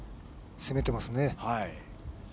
攻めていますね。